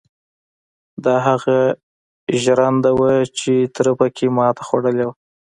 دا هغه ژرنده وه چې تره پکې ماتې خوړلې وه.